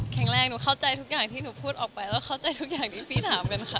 แข็งแรงหนูเข้าใจทุกอย่างที่หนูพูดออกไปก็เข้าใจทุกอย่างที่พี่ถามกันค่ะ